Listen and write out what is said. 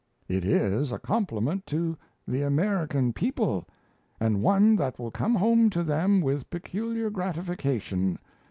It is a compliment to the American people, and one that will come home to them with peculiar gratification.